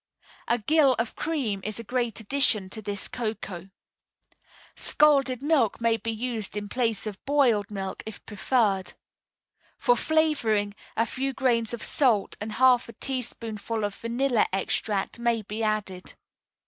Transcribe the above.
A gill of cream is a great addition to this cocoa. Scalded milk may be used in place of boiled milk, if preferred. For flavoring, a few grains of salt and half a teaspoonful of vanilla extract may be added.